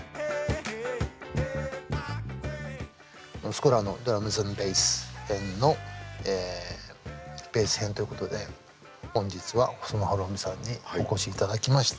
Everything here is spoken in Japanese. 「スコラ」のドラムズ＆ベース編のベース編ということで本日は細野晴臣さんにお越し頂きました。